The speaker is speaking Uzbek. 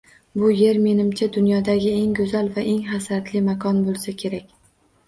Bu yer, meningcha, dunyodagi eng go‘zal va eng hasratli makon bo ‘Isa kerak.